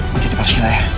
gue jadi arsila ya